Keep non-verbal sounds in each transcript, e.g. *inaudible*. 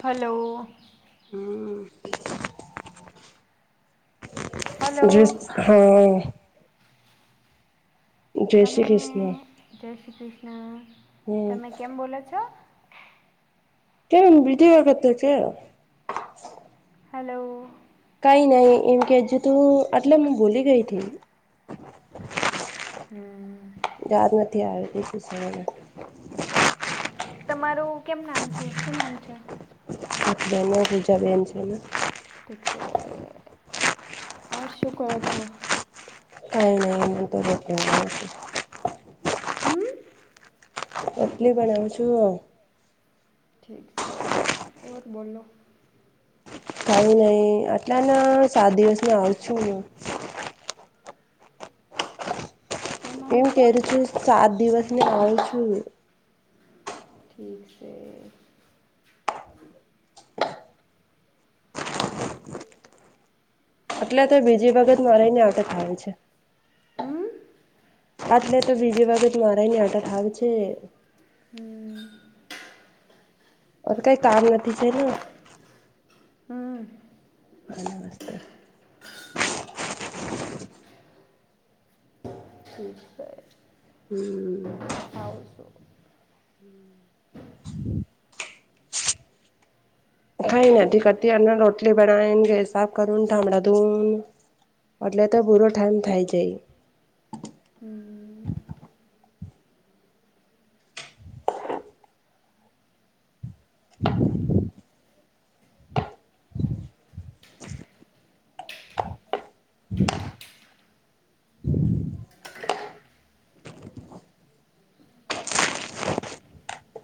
Hello, હમમ જો hello હા. જય શ્રી તમે કૃષ્ણ જય શ્રી કૃષ્ણ હમ તમે કેમ બોલો છો? કેમ બીજી હતી કે હલો? કંઈ નહીં, એમ કે હજુ તું એટલે ભૂલી ગઈ હતી. હમ. યાદ નથી આવે એ શું ને? તમારું કેમ નામ છે? શું નામ છે? આપનો પુજા બેન છે. ઠીકસે, આ શું કરો છો? નહીં ને એ તો *inaudible* હમ. રોટલી બનાવું છું. ઠીક છે. બોલો? થાવું નહીં, એટલાને સાત દિવસમાં આવું છું હું. કેમ એમ આવશો કે, હું સાત દિવસને આવું છું. ઠીક છે. એટલે તો બીજી વખત માં રને, આવું થાય છે. હમ આટલે તો બીજી વખત મારાની આટા થાવું છે. હમ. અ તો કંઈ કામ નથી હતી છે ને હમ હ વસ્ત *unintelligible* ઠીક છે. હમ. આવશો હમ. કંઈ ના કરતી, અના રોટલી બનાવીને ગેસ સાફ કરીને, તો ઠામડા ધોમ-' એટલે તો પૂરો ટાઈમ થાય જાય. હમ *unintelligible* *unintelligible*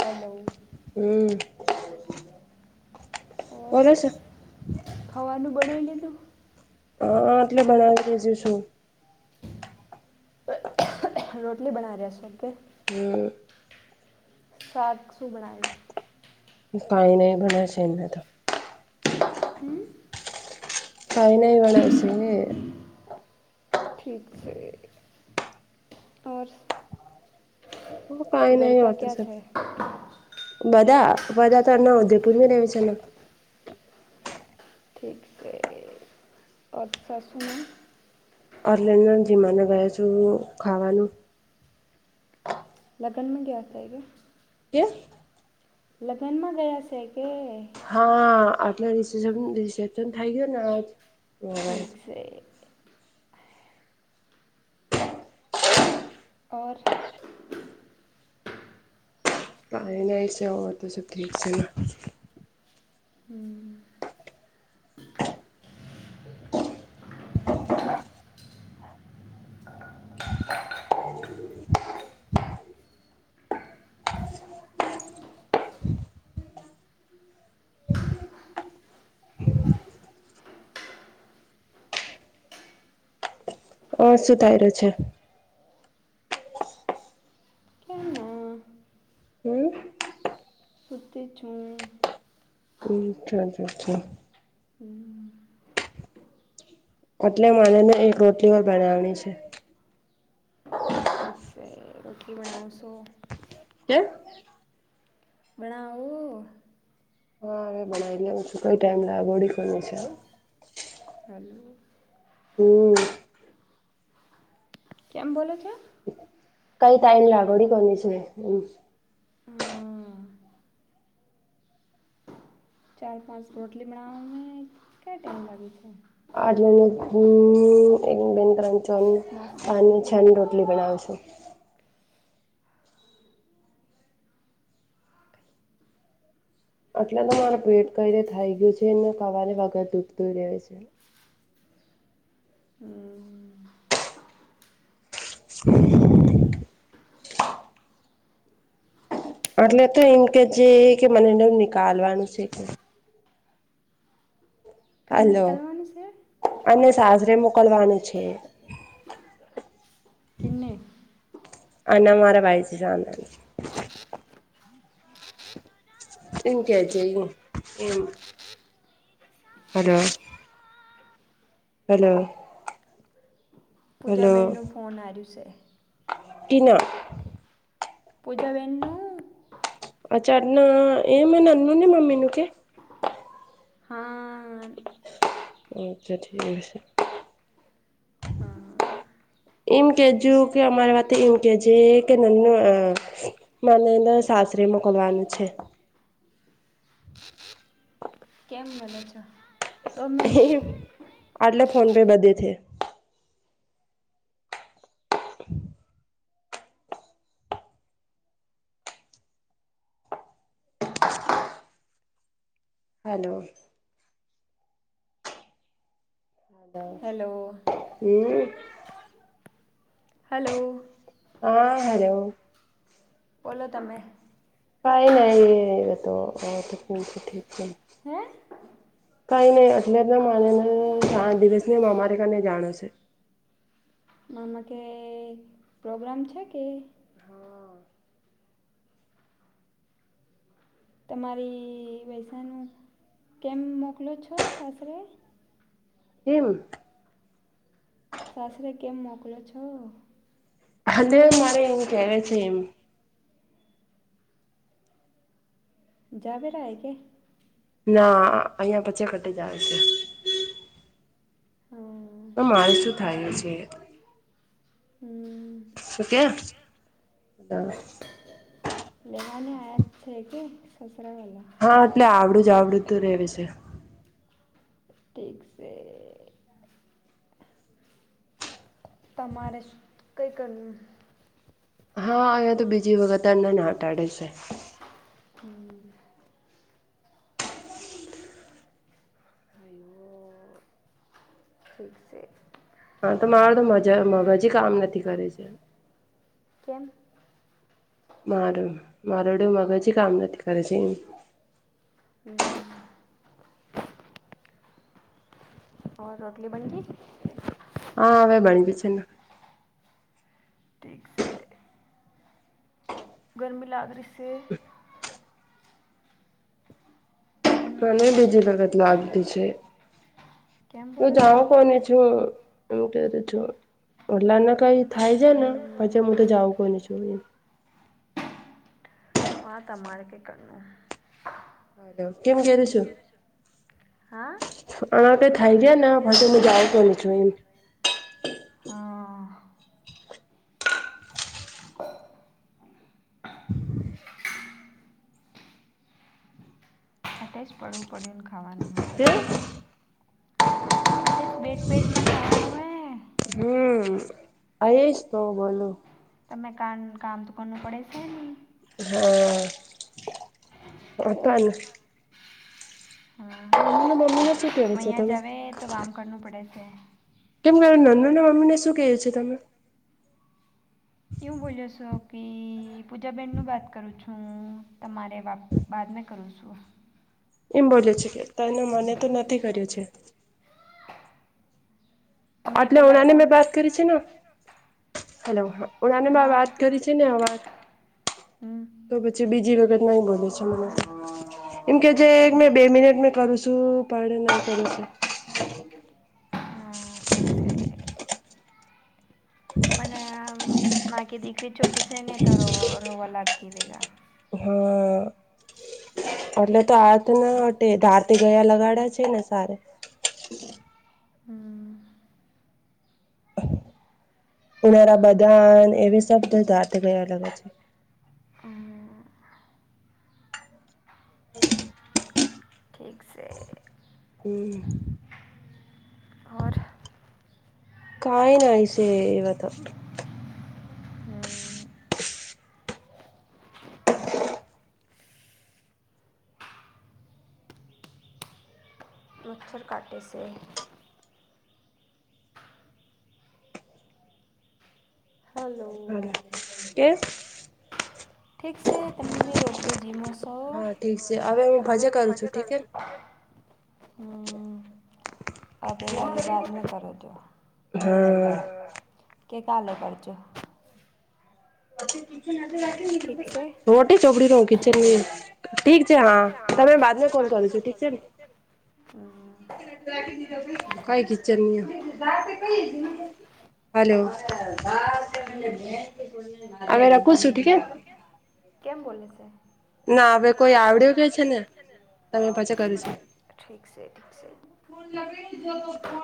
હલો.? હમ. ઓર બોલે છે ખાવાનું બનાવી લીધું.? હ, એટલે ભણાવી લેજું શું? રોટલી બનાવ્યા રહ્યા છો કે? હમ. શાક શુ બનાવે છે? કઈ નહીં પણ બનેશે એને હમ. કાય નઈ બનાઇ છે. ઠીક છે. ઔર? પાઈ નહી હોત સર છે બધા બધા ત અના ઉદયપુરની દેવી છેાલ. ઠી ક છે અચ્છા સુન અર્લેન જીમાનો ગયા છું. ખાવાનું, લગ્નમાં ગયા હતુ કે્યા લગ્નમાં ગયા છે. કે હા આટલે ર રિસેપ્શન થઈ ગયુ, ને આજ ઠીક છે. *inaudible* *unintelligible* ઓર પાને એ છે તો સ ઠીક છે. હમ્મ હ, શું થાય રહ્યું છે. ક્યાં ના હમ શતે છું. હ, અચ્છા અચ્- અચ હમ્મ એટલે મનેને એક રોટલી વા બનાવની છે. ઠીક છે. રઠી બના સૌ કેમ બનાઓ હા, હવે બનાવી લઉં છું કઈ ટાઈમ લગોડી કો છે. હલો હમ્મ કેમ બોલો છે. કઈ તઇમ લાગવડી કોની છે. હા ચાર પાંચ રોટલી બનાઓને ક ટાઈમ લાગ્યું છે. આટલે એક બેન ક્રચો માસ્તર અને ખાઈ છની, રહ્યા રોટલી બનાવીશું એટલે તો માર પેટ કઈ ર થઈ ગયું છે એને કવારે વગર દૂબતું રહે છે. હમ્મ *inaudible* *unintelligible* એટલે તો એમ કે જે કે મને એને એ નનીિકાલવાનું છે, કે કંઈ હલો નીકળવાનું છે અને સાસરે મોકલવાનું છે. કેને અન મારા પા છે. સાંદ એમ કે છે. એમ *unintelligible* હલો હલો પૂજાબહેનનું ફોન હાર્યું છે. ટીના પૂજાવેનુ આ ચડના એમ નંદને મમ્ીનુ, કે હા અચ્છા ઠી છે. હા એમ કેજો કે અમારે વાતે એમ કેજ કે નનું મને અંદર સાસરે મોકલવાનું છે. કેમ મજ છ આટલે ફોન પે બધે છે. હલો હલો, હમ હલો હા હલોલો બોલો તમે કાઈ નઇ એ તો છે. હે? કઈ નઈ એટલે તો માનેને સાત દિવસ ને અમારે કને જાણો છે. નામાં કે પ્રોગ્રામ છે કે? તમારી વૈસાનું કેમ મોકલો છો સાસરે? એમ સાસરે, કેમ મોકલો છો? *unintelligible* જાવેરાય કે ના અહિયાં પચે ઘટી જાવે છે. હા. તો મારે શું થાય છે. હમ્મ. સુ કે *unintelligible* લેવાને આયા છે કે સસરાવાલા? હા, એટલે આવડું જ આવડું તોું રહે છે. ઠીક છે. તમારે કંઈક કરવું હા, અહીંયા તો બીજી વખત ના હટાડે છે. હમ્મ. ઠીક છે. હા, તો મારો તો મજા મગજી કામ નથી કરે છે. કેમ? મારું મારોડે મગજ કામ નથી કરે છે, એમ. હમ્મ. રોટલી બન ગઈ? હા, હવે બનવી છે ને ઠીક છે. ગરમી લાગરી સે. હમ, મને બીજી વખત લાગતી છે. કેમ હું બોલો જાવ છો કોને છું, એમ કેતી છું. ઓટલાને કઈ થાય જાય ને હમ, પછી હું તો જઉં કોઈને છું. હા, તમારે કઈ કરને હલો, કેમ કરું છું? હા. અણા તોઈ થઈ ગયા ને પછી હું જાઉં તો ને છું એમ હા. તેજ પડુ પડ્યું ને ખાવાનું હોય. તે અટેસ બેટ પેટને ખાવાનું હો હમ્મ. અરેશ તો બોલો તમે કાન કામ તો કરું પડે છે ને? હા *unintelligible* હા. *unintelligible* અહીંયા તમે? જાવે તો વામ કરવું પડે છે. કેમ કર નંદુની મમ્મીને શું કહીએ છે તમે. એવુ બોલ્યો છો કે પૂજાબેનનું વાત કરું હું તમારે વાત બાદને કરું છું. એમ બોલે છે કે તને મને તો નથી કર્યું છે. મેં એટલે પહેલાં ઉનાને મેં ફોન વાત કરી છે ને હલો હા. ઓલા ની મેં હા વાત કરી છે ને વાત હમ તો પછી બીજી વખત નહી બોલે છે મને. એમ કે છે મેં બે મિનિટ મે કરું છું પડે ન કરીશુ હા ઠીક છે મને નાકી દીકરી ચોટી જાય ને તો રો રોવા લાગકી ગયા. હા. એટલે તો હાથ ના અટે ધારતે ગયા લગાડ્યા છે ને સારે હમ ઉુનારા બદાન એવી સબ તો જાતે ગયા અલગ હ છે. આ. ઠીક છે. હમ્મ ઓર કઈ ન છેવ હવે તો હમ મચ્છર કાટે છે. હલો કે ઠીક છે તમે રોટલી જમ હા ઠીક છે હવે હું ભજા કરું છું. હમ્મ હવે એ બાદ ન કરોજો. હા કે કલ હો પડચો. ઠીક છે રોટી ચોપડી રુ કીટચેન રી ઠી છે હા તમે બાદમે કોલ કરું છું ઠીક છે ને હમ્મ કઈ કીચડની આ હલો અમે રખું છું ઠીક હે કેમ બોલે છે. નાવે કોઈ આ કોઈ આવડ્યું કે છે ને ઠીક છે ઠીક છે ફોન લગે જ ફો.